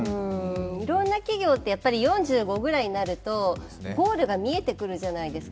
いろんな企業って、４５ぐらいになるとゴールが見えてくるじゃないですか。